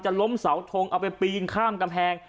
ล้มเสาทงเอาไปปีนข้ามกำแพง